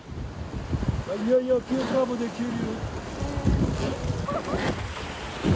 いよいよ急カーブで急流。